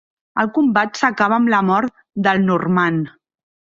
El combat s'acaba amb la mort del normand.